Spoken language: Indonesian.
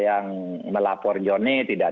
yang melapor jonny tidak